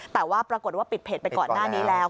แต่ว่าปรากฏว่าปิดเพจไปก่อนหน้านี้แล้ว